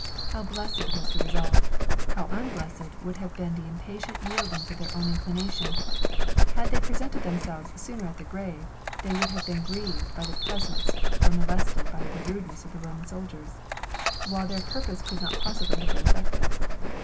How blessed was the result I How unblessed would have been the impatient yielding to their own inclination ! Had they presented themselves sooner at the grave, they would have been grieved by the pres ence or molested by the rudeness of the Roman soldiers ; while their purpose could not possibly have been effected.